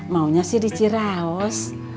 maunya sih di ciraos